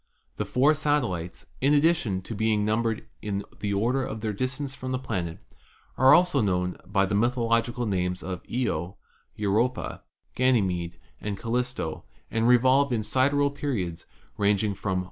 The four satellites, in addition to being numbered in the order of their distance from the planet, are also known by the mythological names of Io, Europa, Ganymede and Callisto, and revolve in 196 ASTRONOMY sidereal periods, ranging from i.